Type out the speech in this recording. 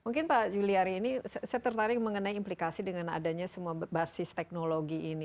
mungkin pak juliari ini saya tertarik mengenai implikasi dengan adanya semua basis teknologi ini